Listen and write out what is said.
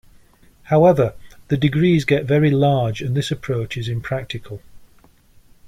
However, the degrees get very large and this approach is impractical.